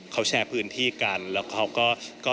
เขาแชร์พื้นที่กันแล้วเขาก็